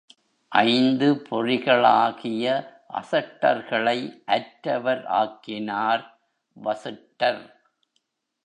ஐந்து பொறிகளாகிய அசட்டர்களை அற்றவர் ஆக்கினார் வசிட்டர்.